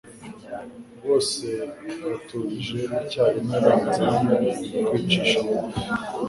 Bose baturije icyarimwe banze kwicisha bugufi.